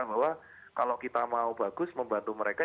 bahwa kalau kita mau bagus membantu mereka